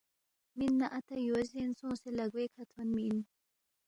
مِن نہ اتا یو زین سونگسے لا گوے کھہ تھونمی اِن